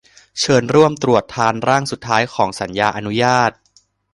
เชิญร่วมตรวจทานร่างสุดท้ายของสัญญาอนุญาต